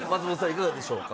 いかがでしょうか？